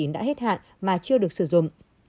đã hết hạn mà chưa được sử dụng